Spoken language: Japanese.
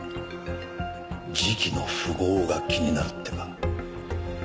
時期の符合が気になるってか。